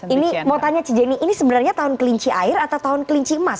ini mau tanya ci jenny ini sebenarnya tahun kelinci air atau tahun kelinci emas